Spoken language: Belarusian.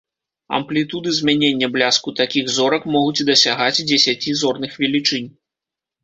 Амплітуды змянення бляску такіх зорак могуць дасягаць дзесяці зорных велічынь.